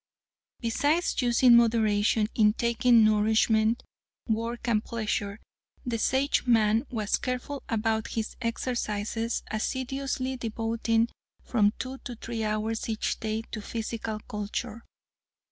"Besides using moderation in taking nourishment, work and pleasure, the Sageman was careful about his exercises, assiduously devoting from two to three hours each day to physical culture.